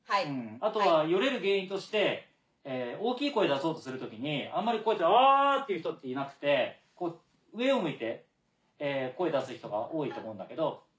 あとはよれる原因として大きい声出そうとする時にあんまりこうやって「あ！」って言う人っていなくて上を向いて声出す人が多いと思うんだけど。